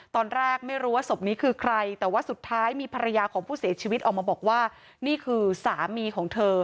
ตอนแรกไม่รู้ว่าศพนี้คือใครแต่ว่าสุดท้ายมีภรรยาของผู้เสียชีวิตออกมาบอกว่านี่คือสามีของเธอ